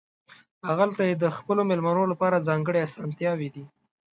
هغلته یې د خپلو مېلمنو لپاره ځانګړې اسانتیاوې دي.